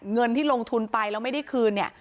เงินที่ลงทุนไปแล้วไม่ได้คืนเนี่ย